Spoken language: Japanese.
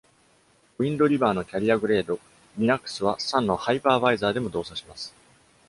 ウインドリバーの「キャリアグレード Linux」は、Sun のハイパーバイザーでも動作します。